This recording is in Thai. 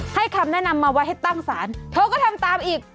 คำแนะนำมาว่าให้ตั้งศาลเธอก็ทำตามอีก